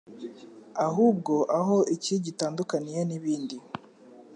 ahubwo aho iki gitandukaniye n'ibindi